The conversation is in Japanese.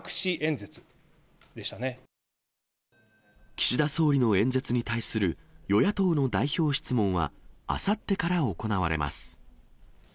岸田総理の演説に対する与野党の代表質問は、あさってから行われます。